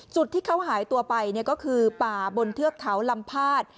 จุดที่เขาหายตัวไปก็คือป่าบนเทือกเขาลำพาด